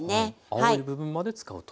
青い部分まで使うと。